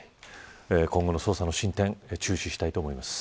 今後の捜査の進展注視したいと思います。